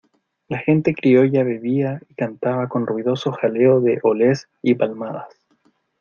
la gente criolla bebía y cantaba con ruidoso jaleo de olés y palmadas.